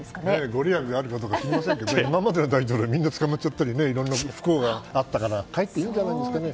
ご利益があるかどうか知りませんけど今までの大統領はみんな捕まっちゃったり不幸があったからかえっていいんじゃないですか。